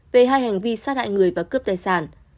về hai hành vi sát hại người và cướp tài sản